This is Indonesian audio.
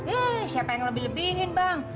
eh siapa yang lebih bingung bang